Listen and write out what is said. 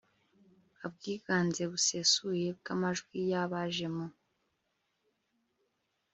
abwiganze busesuye bw amajwi y abaje mu